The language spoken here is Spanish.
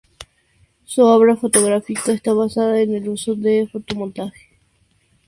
Su obra fotográfica está basada en el uso del fotomontaje.